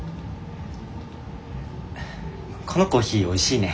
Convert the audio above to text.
このコーヒーおいしいね。